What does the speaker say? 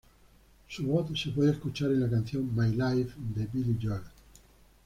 Su voz se puede escuchar en la canción "My Life" de Billy Joel.